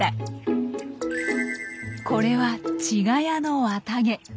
これはチガヤの綿毛。